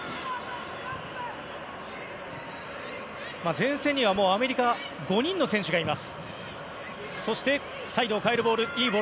前線にはアメリカ５人の選手がいます。